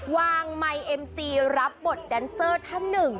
วางไม้เอ็มซีรับบทแดนเซอร์ทั้งหนึ่ง